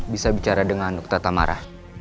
bisa bicara dengan dokter tamara